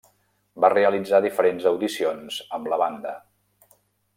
Va realitzar diferents audicions amb la banda.